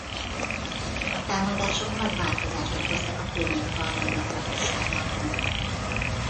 A támadások nagy változást okoztak a környék falvainak lakosságában.